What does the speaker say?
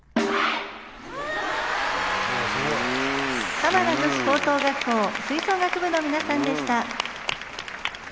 玉名女子高等学校吹奏楽部の皆さんでした。